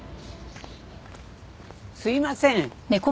すいません。